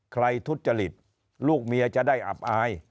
ทุจริตลูกเมียจะได้อับอาย